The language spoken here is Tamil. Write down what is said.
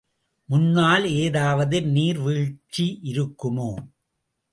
முன்னால் ஏதாவது நீர் வீழ்ச்சி இருக்குமோ?